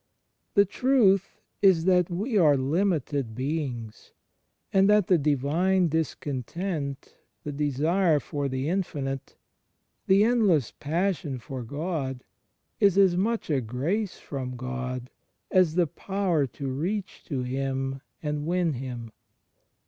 The truth is that we are limited beings; and that the "divine discontent," the desire for the infinite, the endless passion for God, is as much a grace from God as the power to reach to Him and win Him.